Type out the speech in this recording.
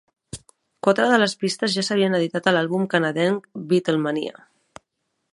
Quatre de les pistes ja s'havien editat a l'àlbum canadenc Beatlemania!